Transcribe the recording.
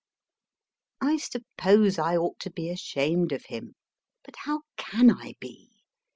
I suppose I ought to be ashamed of him, but how can I be